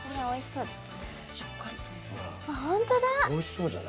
おいしそう。